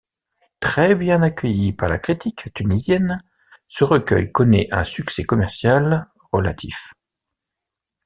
Très bien accueilli par la critique tunisienne, ce recueil connaît un succès commercial relatif.